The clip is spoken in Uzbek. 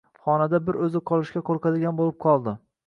xonada bir o‘zi qolishga qo‘rqadigan bo‘lib qoldi.